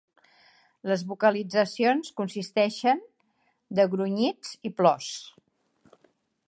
Les vocalitzacions consisteixen de grunyits i plors.